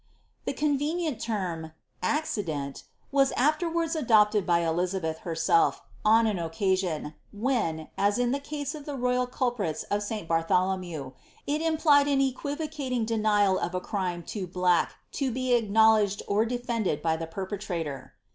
' The convenient temi noeident" was afief wanli adopted by Elis herself, on an occasion, when, as in ihe east of the roval eulpnt* t Banhojomew, il impliei) an equiroralin^ denial of a crime loo blM be acknowledged or defended by the perpetrator.